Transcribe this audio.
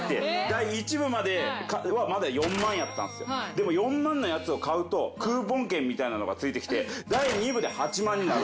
でも４万のやつを買うとクーポン券みたいなのがついてきて第２部で８万になる。